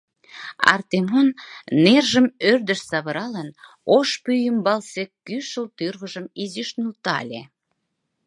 Артемон, нержым ӧрдыш савыралын, ош пӱй ӱмбалсе кӱшыл тӱрвыжым изиш нӧлтале.